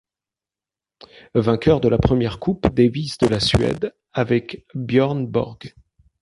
Vainqueur de la première Coupe Davis de la Suède avec Björn Borg.